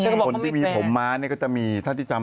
คนที่มีห่มมากเนยก็จะมีถ้าที่จำได้